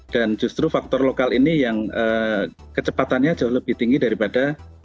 dan justru faktor lokal ini yang kecepatannya jauh lebih tinggi daripada kecepatan air